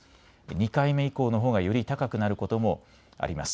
２回目以降のほうがより高くなることもあります。